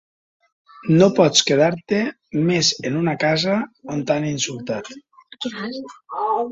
No pots quedar-te més en una casa on t’han insultat